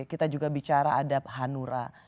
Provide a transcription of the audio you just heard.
kita juga bicara adab hanura